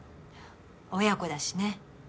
親子だしね。